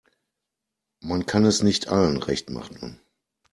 Man kann es nicht allen recht machen.